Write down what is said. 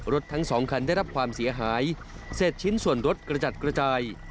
ทั้งสองคันได้รับความเสียหายเศษชิ้นส่วนรถกระจัดกระจาย